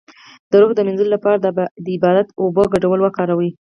د روح د مینځلو لپاره د عبادت او اوبو ګډول وکاروئ